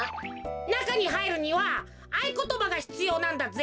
なかにはいるにはあいことばがひつようなんだぜ。